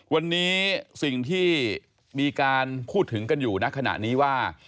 วันนี้สิ่งที่มีการพูดถึงกันอยู่ในขณะนี้ว่า